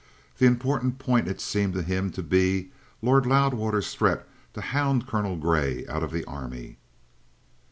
The important point in it seemed to him to be Lord Loudwater's threats to hound Colonel Grey out of the Army.